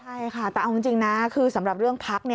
ใช่ค่ะแต่เอาจริงนะคือสำหรับเรื่องพัก